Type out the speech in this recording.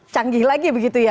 canggih lagi begitu ya